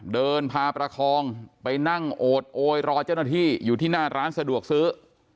เดินพาประคองไปนั่งโอดโอยรอเจ้าหน้าที่อยู่ที่หน้าร้านสะดวกซื้อ